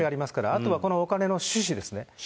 あとはこのお金の趣旨ですね。